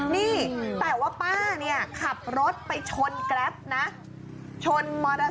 นี่ป้าบอกว่าป้าเป็นนักแข่งมาตั้งแต่เด็กแล้วเว้ย